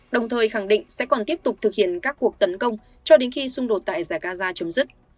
đồng thời khẳng định sẽ còn tiếp tục thực hiện các cuộc tấn công cho đến khi xung đột tại giải gaza chấm dứt